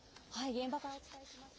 現場からお伝えします。